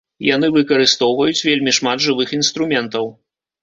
Яны выкарыстоўваюць вельмі шмат жывых інструментаў.